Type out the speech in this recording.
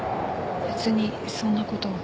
別にそんな事は。